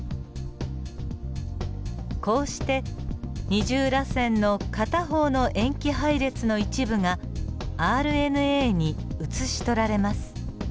こうして二重らせんの片方の塩基配列の一部がＲＮＡに写し取られます。